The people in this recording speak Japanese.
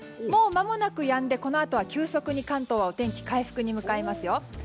もう間もなくやんで、このあとは急速に関東はお天気回復に向かいますよ。